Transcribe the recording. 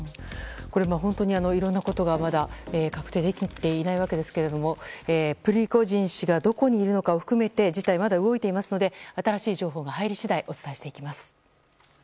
本当にいろいろなことがまだ確定できていないわけですがプリゴジン氏がどこにいるのかを含めて事態はまだ動いていますので新しい情報が入り次第お伝えしていきます。